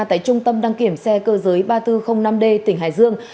tại trung tâm đăng kiểm xe cơ giới ba nghìn bốn trăm linh năm d tỉnh hải dương